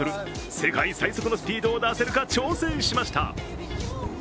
世界最速のスピードを出せるか挑戦しました。